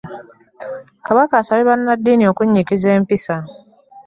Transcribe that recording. Kabaka asabye banaddiini okunyikiza empisa.